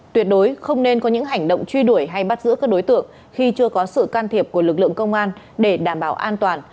tuyệt đối không nên có những hành động truy đuổi hay bắt giữ các đối tượng khi chưa có sự can thiệp của lực lượng công an để đảm bảo an toàn